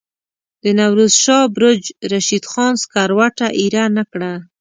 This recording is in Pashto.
د نوروز شاه برج رشید خان سکروټه ایره نه کړه.